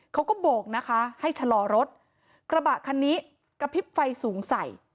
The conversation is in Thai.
เขาก็โบกนะคะให้ชะลอรถกระบะคันนี้กระพริบไฟสูงใส่